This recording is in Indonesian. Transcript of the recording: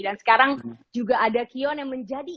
dan sekarang juga ada kion yang menjadi